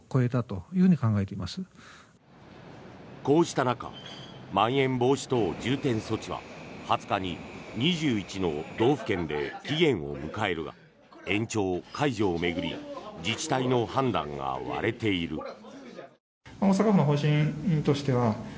こうした中まん延防止等重点措置は２０日に２１の道府県で期限を迎えるが延長・解除を巡り自治体の判断が割れている。